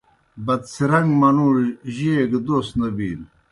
بدڅِھرِن٘گ منُوڙوْ جیئے گہ دوس نہ بِینوْ۔